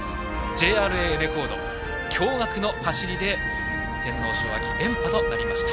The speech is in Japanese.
ＪＲＡレコード驚がくの走りで天皇賞連覇となりました。